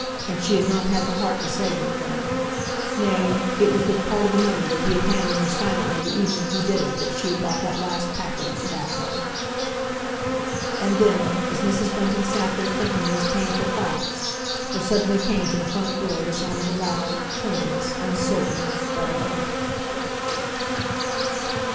And she had not had the heart to say anything; nay, it was with part of the money that he had handed her silently the evening he did it that she had bought that last packet of tobacco. And then, as Mrs. Bunting sat there thinking these painful thoughts, there suddenly came to the front door the sound of a loud, tremulous, uncertain double knock.